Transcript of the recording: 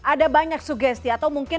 ada banyak sugesti atau mungkin